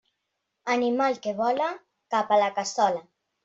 Animal que vola, cap a la cassola.